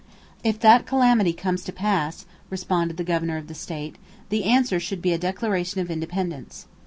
If that calamity comes to pass, responded the governor of the state, the answer should be a declaration of independence.